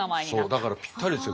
だからぴったりですよ